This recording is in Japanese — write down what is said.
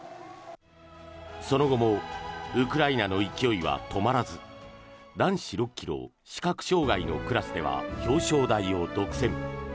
その後もウクライナの勢いは止まらず男子６ｋｍ視覚障害のクラスでは表彰台を独占。